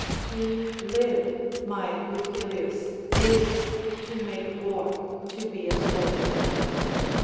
["To live, my Lucilius, is (to make war) to be a soldier."